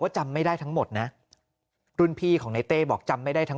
จำไม่ได้ทั้งหมดนะรุ่นพี่ของในเต้บอกจำไม่ได้ทั้ง